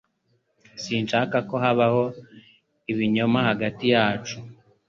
Sinshaka ko habaho ibinyoma hagati yacu